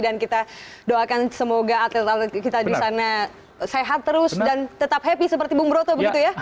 dan kita doakan semoga atlet atlet kita di sana sehat terus dan tetap happy seperti bung broto begitu ya